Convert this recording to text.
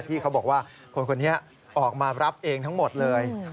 ที่เขาบอกว่าคนคนนี้ออกมารับเองทั้งหมดเลย